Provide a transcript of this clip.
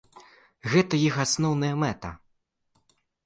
Гэта іх асноўная мэта.